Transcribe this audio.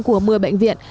của một mươi bệnh viện